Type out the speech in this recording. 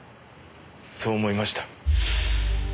そう思いました。